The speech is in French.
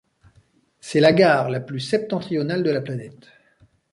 C'est la gare la plus septentrionale de la planète.